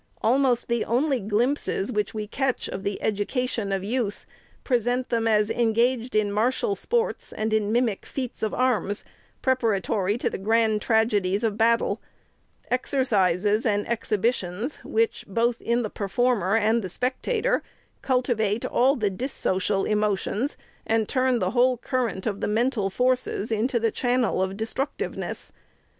Almost the only glimpses which we catch of the education of youth, present them as engaged in martial sports, and in mimic feats of arms, preparatory to the grand trage dies of battle; — exercises and exhibitions, which, both in the performer and the spectator, cultivate all the dissocial emotions, and turn the whole current of the mental forces into the channel of destructiveness.